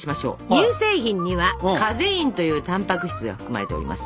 乳製品にはカゼインというたんぱく質が含まれております。